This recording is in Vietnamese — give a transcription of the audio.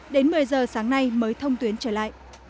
đến một mươi giờ sáng nay mới thông tuyến trở lại